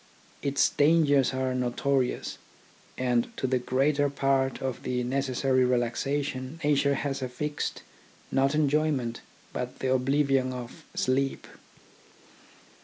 Its dangers are notorious, and to the greater part of the necessary relaxation nature has affixed, not enjoyment, but the oblivion of sleep.